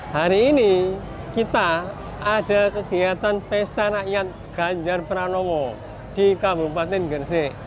hari ini kita ada kegiatan pesta rakyat ganjar pranowo di kabupaten gresik